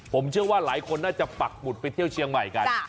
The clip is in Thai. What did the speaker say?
ผมเชื่อว่าหลายคนน่าจะปักหมุดไปเที่ยวเชียงใหม่กัน